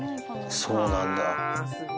そうなんだ。